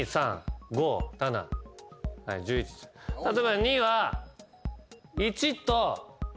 例えば２は。